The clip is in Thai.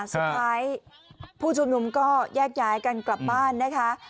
สุดท้ายผู้ชุมนุมก็แยกย้ายกันกลับบ้านนะคะ